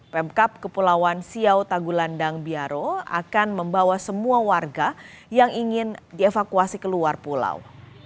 pemkap kepulauan siau tagulandang biaro akan membawa semua warga yang ingin dievakuasi ke luar pulau